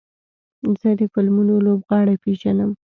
زه د فلمونو لوبغاړي پیژنم.